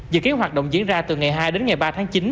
dự kiến hoạt động diễn ra từ ngày hai đến ngày ba tháng chín